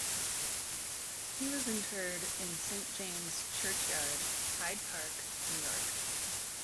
He was interred in Saint James Churchyard, Hyde Park, New York.